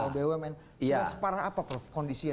sebenarnya parah apa prof kondisinya